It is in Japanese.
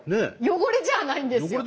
汚れじゃないんですよ。